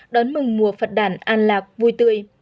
đón mừng mùa phật đàn an lạc vui tươi